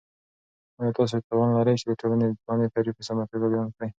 آیا تاسو توان لرئ چې د ټولنپوهنې تعریف په سمه توګه بیان کړئ؟